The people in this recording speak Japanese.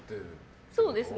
そうですね。